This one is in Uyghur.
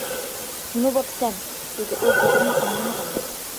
نېمە بوپسەن؟ -دېدى ئۇ گېپىمنى ئاڭلىمىغاندەك.